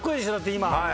今。